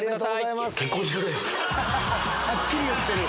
はっきり言ってる。